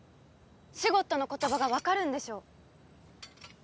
シュゴッドの言葉がわかるんでしょ？